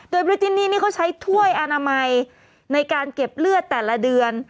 โดยบริจินนี่นี่เขาใช้ถ้วยอนามัยในการเก็บเลือดแต่ละเดือน